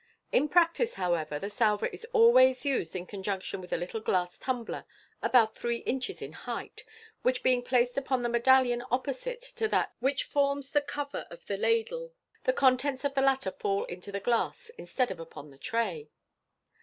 In practice, however, the salver is always used in conjunc tion with a little glass tumbler, about three inches in height, which, being placed upon the medallion opposite to that which forms the cover of the ladle, the contents of the latter fall into the glass instead of upon the tray.